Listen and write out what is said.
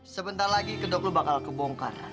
sebentar lagi kedok lo bakal kebongkar